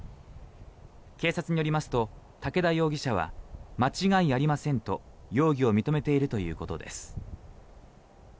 警察によりますと竹田容疑者は間違いありませんと容疑を認めているということです。